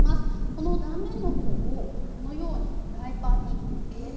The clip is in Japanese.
この断面の方をこのようにフライパンに入れまして。